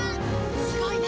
すごいね！